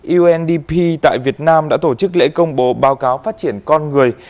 undp tại việt nam đã tổ chức lễ công bố báo cáo phát triển con người